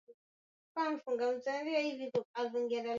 kama nilivyo Yesu mwenyewe aliwahi kueleza ya kwamba watakuwepo